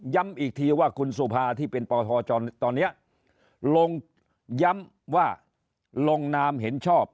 อีกทีว่าคุณสุภาที่เป็นปทตอนนี้ลงย้ำว่าลงนามเห็นชอบ